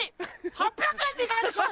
８００円でいかがでしょう？